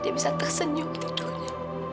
dia bisa tersenyum tidurnya